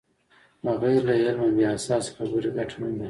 بغیر له علمه بې اساسه خبرې ګټه نلري.